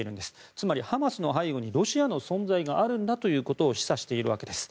つまり、ハマスの背後にロシアの存在があるんだと示唆しているわけです。